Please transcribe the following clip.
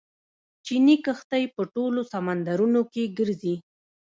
چیني کښتۍ په ټولو سمندرونو کې ګرځي.